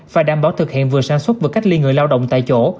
phải đảm bảo thực hiện vừa sản xuất vừa cách ly người lao động tại chỗ